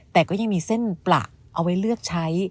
แต่ก็ยังมีเส้นประเอาไว้เลือกใช้